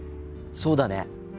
そうだね。